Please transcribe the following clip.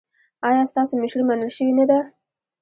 ایا ستاسو مشري منل شوې نه ده؟